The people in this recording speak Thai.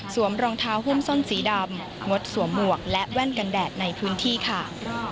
รองเท้าหุ้มส้นสีดำงดสวมหมวกและแว่นกันแดดในพื้นที่ค่ะ